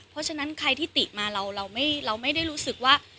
เพราะฉะนั้นใครที่ติมาเราไม่ได้รู้สึกว่า